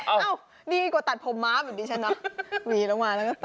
อ้าวดีกว่าตัดผมม้าแบบนี้ใช่ไหมนะวีลงมาแล้วก็ตัด